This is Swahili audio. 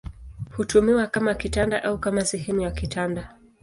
Hutumiwa kama kitanda au kama sehemu ya kitanda.